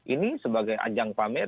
ini sebagai ajang pamer